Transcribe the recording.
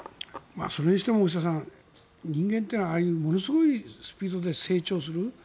それにしても大下さん人間というのはああいうものすごいスピードで成長する。